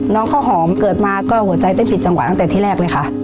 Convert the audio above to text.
น้องข้าวหอมเกิดมาก็หัวใจเต้นผิดจังหวะตั้งแต่ที่แรกเลยค่ะ